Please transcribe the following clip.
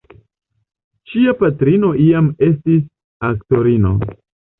Ŝia patrino iam estis aktorino.